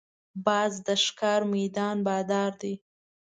باز د ښکار میدان بادار دی